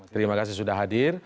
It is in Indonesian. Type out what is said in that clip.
terima kasih sudah hadir